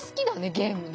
ゲームね。